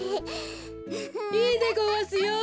いいでごわすよ！